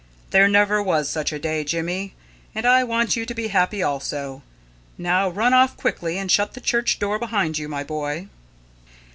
There never was such a day, Jimmy; and I want you to be happy also. Now run off quickly, and shut the church door behind you, my boy."